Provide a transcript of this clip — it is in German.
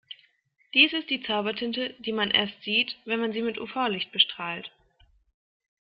Dies ist Zaubertinte, die man erst sieht, wenn man sie mit UV-Licht bestrahlt.